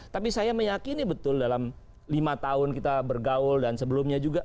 tapi saya meyakini betul dalam lima tahun kita bergaul dan sebelumnya juga